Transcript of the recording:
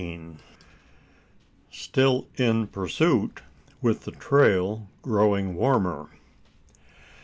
STILL IN PURSUIT, WITH THE TRAIL GROWING WARMER.